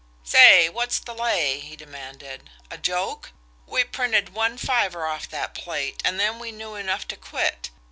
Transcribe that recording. "Say, what's the lay?" he demanded. "A joke? We printed one fiver off that plate and then we knew enough to quit.